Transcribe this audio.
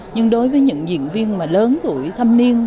nhưng đối với những diễn viên mà lớn tuổi thanh niên